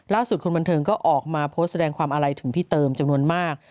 คนบันเทิงก็ออกมาโพสต์แสดงความอาลัยถึงพี่เติมจำนวนมาก